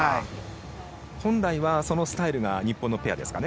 本来はそのスタイルが日本のペアですかね。